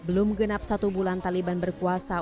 belum genap satu bulan taliban berkuasa